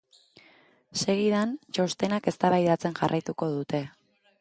Segidan, txostenak eztabaidatzen jarraituko dute.